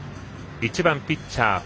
１番、ピッチャー